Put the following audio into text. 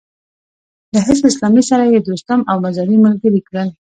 له حزب اسلامي سره يې دوستم او مزاري ملګري کړل.